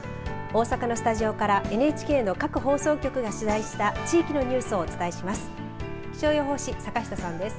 大阪のスタジオからＮＨＫの各放送局が取材した地域のニュースをお伝えします。